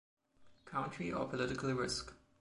Country or political risk.